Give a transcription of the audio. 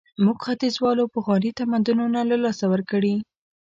موږ ختیځوالو پخواني تمدنونه له لاسه ورکړي.